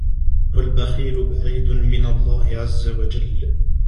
وَالْبَخِيلُ بَعِيدٌ مِنْ اللَّهِ عَزَّ وَجَلَّ